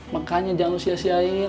makanya jangan sia siain